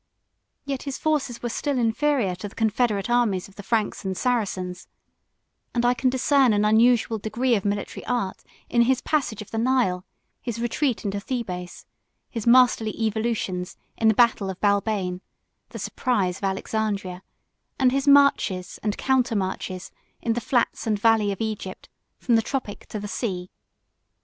Yet his forces were still inferior to the confederate armies of the Franks and Saracens; and I can discern an unusual degree of military art, in his passage of the Nile, his retreat into Thebais, his masterly evolutions in the battle of Babain, the surprise of Alexandria, and his marches and countermarches in the flats and valley of Egypt, from the tropic to the sea.